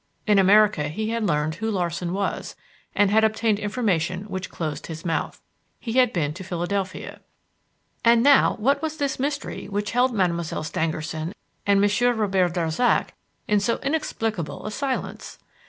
In America he had learned who Larsan was and had obtained information which closed his mouth. He had been to Philadelphia. And now, what was this mystery which held Mademoiselle Stangerson and Monsieur Robert Darzac in so inexplicable a silence?